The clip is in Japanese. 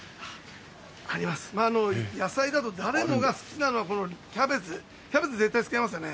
野菜だと、誰もが好きなのはこのキャベツ、キャベツ絶対使いますよね。